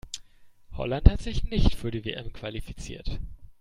Holland hat sich nicht für die WM qualifiziert.